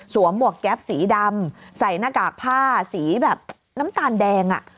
หมวกแก๊ปสีดำใส่หน้ากากผ้าสีแบบน้ำตาลแดงอ่ะ